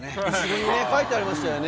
後ろに書いてありましたね。